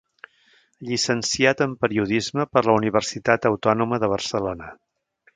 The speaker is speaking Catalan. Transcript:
Llicenciat en periodisme per la Universitat Autònoma de Barcelona.